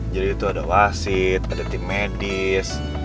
jadi itu ada wasit ada tim medis